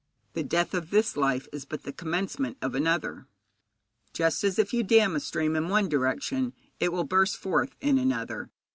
The death of this life is but the commencement of another, just as, if you dam a stream in one direction, it will burst forth in another.